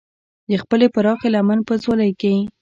د خپلې پراخې لمن په ځولۍ کې.